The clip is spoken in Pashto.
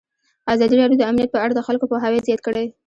ازادي راډیو د امنیت په اړه د خلکو پوهاوی زیات کړی.